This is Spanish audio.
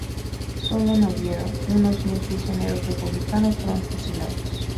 Sólo en Oviedo unos mil prisioneros republicanos fueron fusilados.